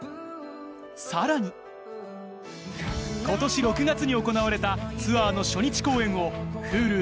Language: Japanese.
さらに今年６月に行われたツアーの初日公演をＨｕｌｕ